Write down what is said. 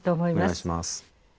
お願いします。